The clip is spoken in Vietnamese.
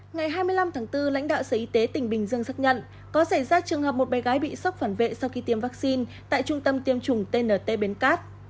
ngày hai mươi năm tháng bốn lãnh đạo sở y tế tỉnh bình dương xác nhận có xảy ra trường hợp một bé gái bị sốc phản vệ sau khi tiêm vaccine tại trung tâm tiêm chủng tnt bến cát